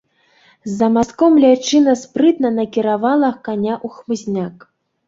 За мастком ляйчына спрытна накіравала каня ў хмызняк.